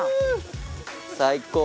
最高！